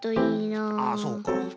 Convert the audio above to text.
ああそうか。